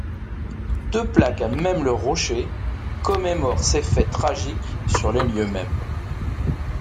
Deux plaques à même le rocher commémorent ces faits tragiques sur les lieux même.